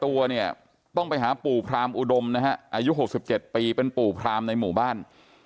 ตัวเนี่ยต้องไปหาปู่พรามอุดมนะฮะอายุ๖๗ปีเป็นปู่พรามในหมู่บ้าน